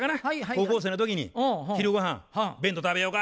高校生の時に昼御飯「弁当食べようか」